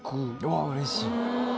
うわうれしい。